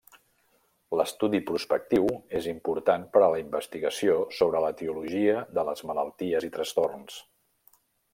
L'estudi prospectiu és important per a la investigació sobre l'etiologia de les malalties i trastorns.